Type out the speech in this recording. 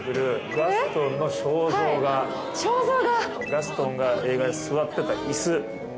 ガストンが映画で座ってたイス。